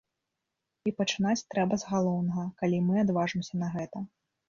І пачынаць трэба з галоўнага, калі мы адважымся на гэта.